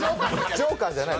ジョーカーじゃない。